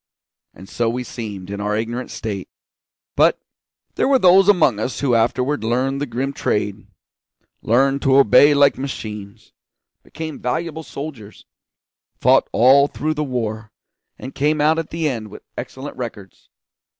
And so we seemed, in our ignorant state; but there were those among us who afterward learned the grim trade; learned to obey like machines; became valuable soldiers; fought all through the war, and came out at the end with excellent records.